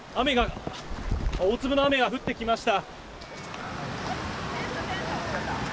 大粒の雨が降ってきました。